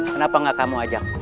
kenapa nggak kamu ajak